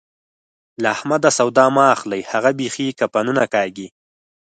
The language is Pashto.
له احمده سودا مه اخلئ؛ هغه بېخي کفنونه کاږي.